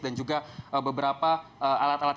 dan juga beberapa alat alat